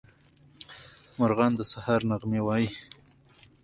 مارغان د سهار نغمه وايي.